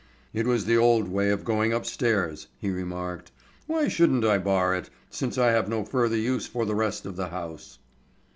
"It was the old way of going upstairs," he remarked. "Why shouldn't I bar it, since I have no further use for the rest of the house?"